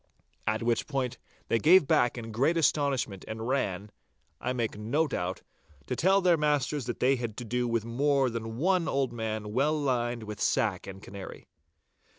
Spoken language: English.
At which they gave back in great astonishment and ran, I make no doubt, to tell their masters that they had to do with more than one old man well lined with sack and canary.